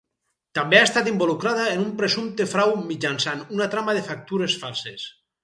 També ha estat involucrada en un presumpte frau mitjançant una trama de factures falses.